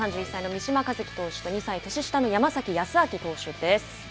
３１歳の三嶋一輝投手と２歳年下の山崎康晃投手です。